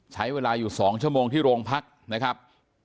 ใช้เวลาอยู่๒ชั่วโมงที่โรงพักนะครับ